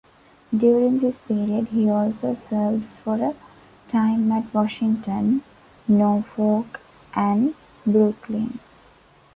During this period he also served for a time at Washington, Norfolk and Brooklyn.